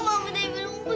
mama dewi lumpuh